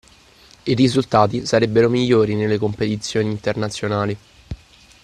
I risultati sarebbero migliori nelle competizioni internazionali.